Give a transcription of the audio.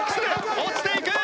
落ちていく！